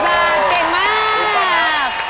๓๗บาทเก่งมาก